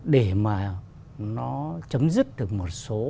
để mà nó chấm dứt được một số